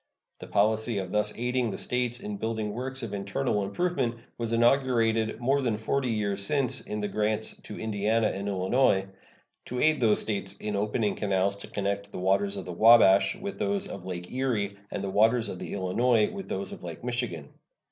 The policy of thus aiding the States in building works of internal improvement was inaugurated more than forty years since in the grants to Indiana and Illinois, to aid those States in opening canals to connect the waters of the Wabash with those of Lake Erie and the waters of the Illinois with those of Lake Michigan.